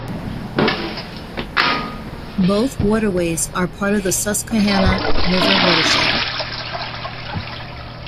Both waterways are part of the Susquehanna River watershed.